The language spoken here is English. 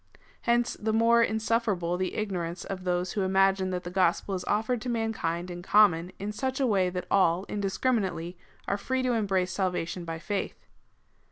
Hence the more insuf ferable the ignorance of those who imagine that the gospel is offered to mankind in common in such a way that all indiscriminately are free^ to embrace salvation by faith.